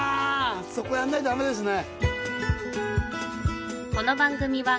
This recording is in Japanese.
そこやんないとダメですね